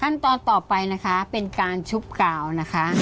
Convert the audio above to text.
ขั้นตอนต่อไปนะคะเป็นการชุบกาวนะคะ